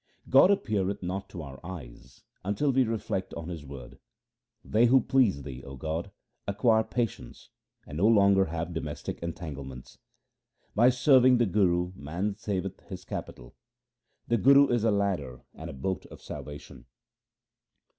God appeareth not to our eyes until we reflect on His word. They who please Thee, O God, acquire patience, and no longer have domestic entanglements. By serving the Guru man saveth his capital ; 1 the Guru is a ladder and a boat of salvation.